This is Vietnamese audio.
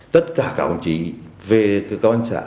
tất cả cả công trí về công an xã